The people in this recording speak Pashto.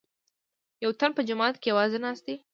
یوتن په جومات کې یوازې ناست دی.